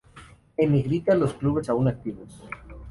En negrita los clubes aún activos.